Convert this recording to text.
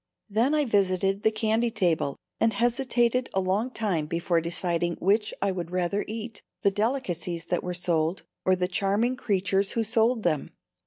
Then I visited a candy table, and hesitated a long time before deciding which I would rather eat, the delicacies that were sold, or the charming creatures who sold them.